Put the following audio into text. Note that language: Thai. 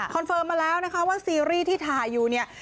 เฟิร์มมาแล้วนะคะว่าซีรีส์ที่ถ่ายอยู่เนี่ย